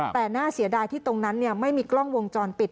แต่น่าเสียดายที่ตรงนั้นไม่มีกล้องวงจรปิด